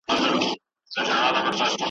د جنګ لور ته یې آس هی کړ نازولی .